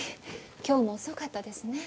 今日も遅かったですね